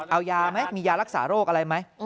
เอายาไหมมียารักษาโรคอะไรไหม